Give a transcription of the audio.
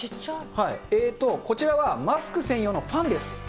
こちらはマスク専用のファンです。